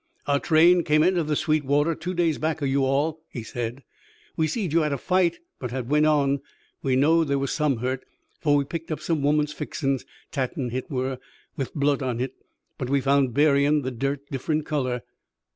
"Our train come inter the Sweetwater two days back o' you all," he said. "We seed you'd had a fight but had went on. We knowed some was hurt, fer we picked up some womern fixin's tattin', hit were with blood on hit. And we found buryin's, the dirt different color."